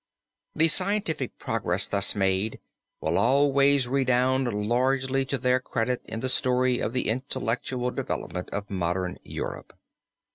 The scientific progress thus made will always redound largely to their credit in the story of the intellectual development of modern Europe.